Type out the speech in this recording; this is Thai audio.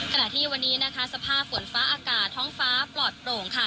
ขณะที่วันนี้นะคะสภาพฝนฟ้าอากาศท้องฟ้าปลอดโปร่งค่ะ